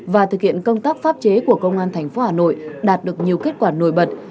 và thực hiện công tác pháp chế của công an tp hà nội đạt được nhiều kết quả nổi bật